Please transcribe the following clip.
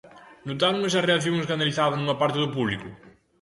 Notaron esa reacción escandalizada nunha parte do público?